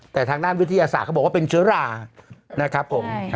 แต่ทางด้านวิทยาศาสตร์เขาบอกว่าเป็นเชื้อรานะครับผม